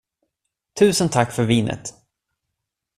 Tusen tack för vinet.